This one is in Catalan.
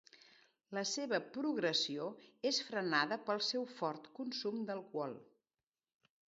La seva progressió és frenada pel seu fort consum d'alcohol.